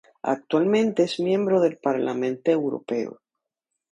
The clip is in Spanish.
Actualmente es miembro del Parlamento Europeo.